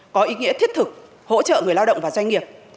có ý nghĩa thiết thực hỗ trợ người lao động và doanh nghiệp